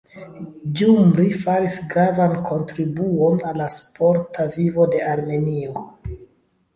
Gjumri faris gravan kontribuon al la sporta vivo de Armenio.